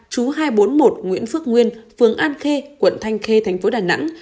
chú hai trăm bốn mươi một nguyễn phước nguyên phường an khê quận thanh khê thành phố đà nẵng